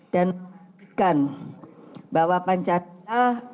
dan memastikan bahwa pancasila